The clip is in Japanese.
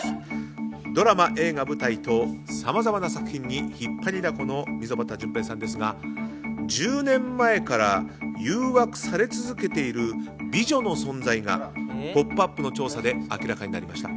ドラマ、映画、舞台とさまざまな作品に引っ張りだこの溝端淳平さんですが１０年前から誘惑され続けている美女の存在が「ポップＵＰ！」の調査で明らかになりました。